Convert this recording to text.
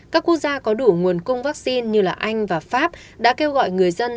các quốc gia có đủ nguồn cung vaccine như anh và pháp đã kêu gọi người dân